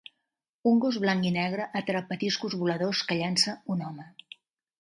Un gos blanc i negre atrapa discos voladors que llança un home.